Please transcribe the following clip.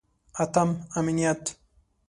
اتم: امنیت.